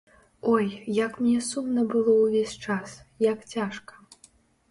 Ой, як мне сумна было ўвесь час, як цяжка.